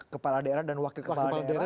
kepala daerah dan wakil kepala daerah